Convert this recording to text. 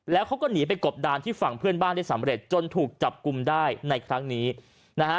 แล้วเขาก็หนีไปกบดานที่ฝั่งเพื่อนบ้านได้สำเร็จจนถูกจับกลุ่มได้ในครั้งนี้นะฮะ